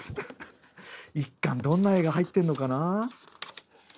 １巻どんな絵が入ってんのかな？